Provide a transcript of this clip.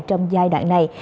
trong giai đoạn này